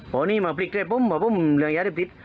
พอนี้มาฝลิกเลยผมว่าผมเรื่องยาเรียบทิศ